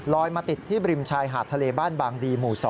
มาติดที่บริมชายหาดทะเลบ้านบางดีหมู่๒